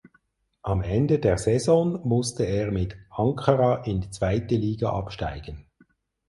Am Ende der Saison musste er mit Ankara in die zweite Liga absteigen.